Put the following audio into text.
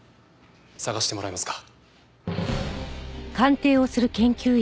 捜してもらえますか？